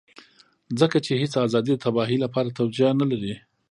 ځکه چې هېڅ ازادي د تباهۍ لپاره توجيه نه لري.